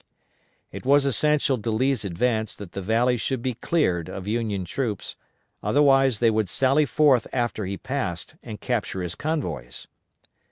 It was essential to Lee's advance that the valley should be cleared of Union troops, otherwise they would sally forth after he passed and capture his convoys.